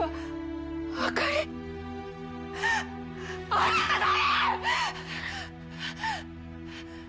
あなた誰！？